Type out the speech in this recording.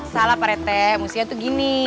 salah pak rt musiknya tuh gini